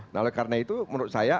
nah oleh karena itu menurut saya